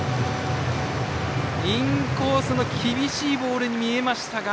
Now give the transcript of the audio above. インコースの厳しいボールに見えましたが。